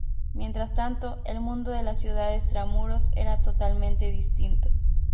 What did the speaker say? Mientras tanto, el mundo de la ciudad de extramuros era totalmente distinto.